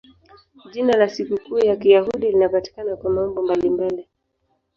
Jina la sikukuu ya Kiyahudi linapatikana kwa maumbo mbalimbali.